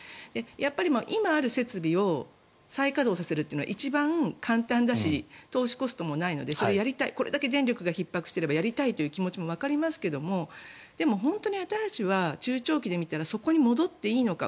やっぱり今ある設備を再稼働させるというのは一番簡単だし投資コストもないのでこれだけ電力がひっ迫していたらやりたいという気持ちもわかりますがでも、本当に私たちは中長期で見たらそこに戻っていいのか。